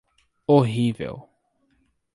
Horrível.